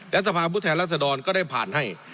และสภาพุทธแหลศดรก็ได้ผ่านให้